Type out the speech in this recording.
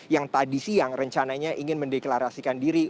yang tadi siang rencananya ingin mendeklarasikan diri